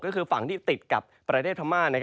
ก็คือฝั่งที่ติดกับประเทศพม่า